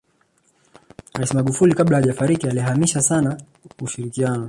rais magufuli kabla hajafariki alihamasisha sana ushirikianao